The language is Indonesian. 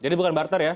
jadi bukan barter ya